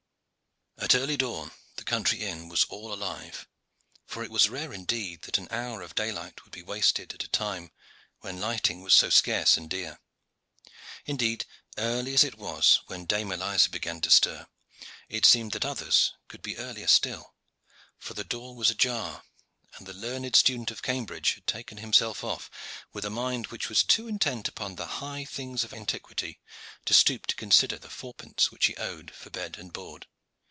At early dawn the country inn was all alive, for it was rare indeed that an hour of daylight would be wasted at a time when lighting was so scarce and dear. Indeed, early as it was when Dame Eliza began to stir, it seemed that others could be earlier still, for the door was ajar, and the learned student of Cambridge had taken himself off, with a mind which was too intent upon the high things of antiquity to stoop to consider the four pence which he owed for bed and board.